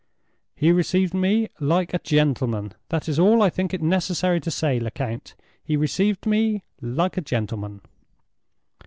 "He received me like a gentleman—that is all I think it necessary to say, Lecount—he received me like a gentleman."